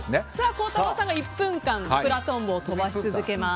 孝太郎さんが１分間プラトンボを飛ばし続けます。